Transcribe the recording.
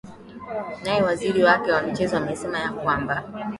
nae waziri wake wa michezo amesema ya kwamba